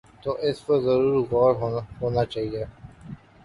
تو اس پر ضرور غور ہو نا چاہیے۔